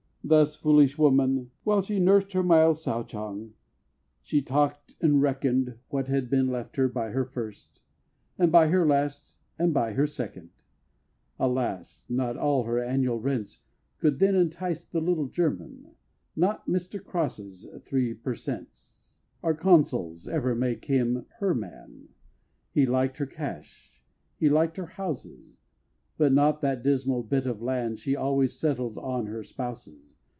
Thus, foolish woman! while she nursed Her mild souchong, she talked and reckoned What had been left her by her first, And by her last, and by her second. Alas! not all her annual rents Could then entice the little German Not Mr. Cross's Three per Cents, Or Consols, ever make him her man. He liked her cash, he liked her houses, But not that dismal bit of land She always settled on her spouses.